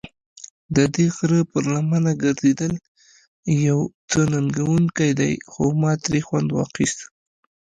ددې غره پر لمنه ګرځېدل یو څه ننګوونکی دی، خو ما ترې خوند اخیسته.